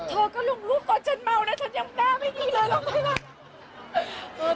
เธอก็ลงรูปก่อนฉันเมานะฉันยังหน้าไม่ดีเลยลองไทยรัฐ